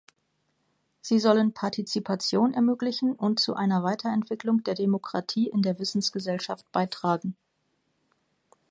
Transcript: Sie sollen Partizipation ermöglichen und zu einer Weiterentwicklung der Demokratie in der Wissensgesellschaft beitragen.